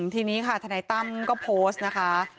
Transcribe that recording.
ทีนี้ค่ะทนายตั้มก็โพสต์นะคะ